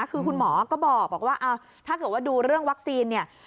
คือคุณหมอก็บอกว่าถ้าเกิดว่าดูเรื่องวัคซีนเนี่ย